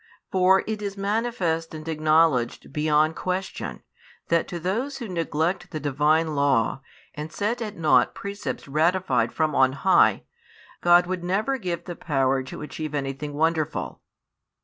For it is manifest and acknowledged beyond question, that to those who neglect the Divine law, and set at nought precepts ratified from on high, God would never give the power to achieve |29 anything wonderful.